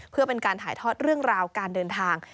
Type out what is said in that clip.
เพื่อเป็นการถ่ายทอดเรื่องราวการเดินทาง